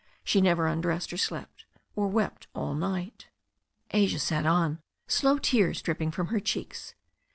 She never undressed or slept, or wept all night. Asia sat on, slow tears dripping from her cheeks.